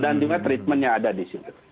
dan juga treatmentnya ada di situ